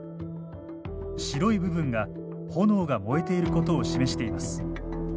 白い部分が炎が燃えていることを示しています。